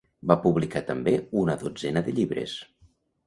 Va publicar també una dotzena de llibres.